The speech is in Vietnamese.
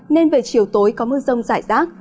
nên về chiều tối có mưa rông rải rác